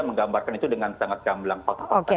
menggambarkan itu dengan sangat yang melampau